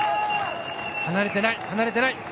離れてない、離れてない！